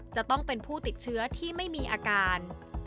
จะต้องเป็นผู้ติดเชื้อที่ไม่มีอาการ